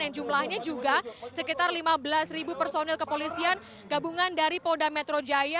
yang jumlahnya juga sekitar lima belas personil kepolisian gabungan dari polda metro jaya